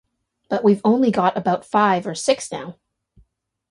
But we’ve only got about five or six now.